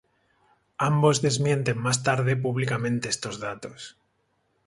Ambos desmienten más tarde públicamente estos datos.